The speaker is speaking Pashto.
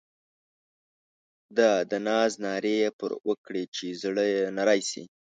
دا د ناز نارې یې پر وکړې چې زړه یې نری شي.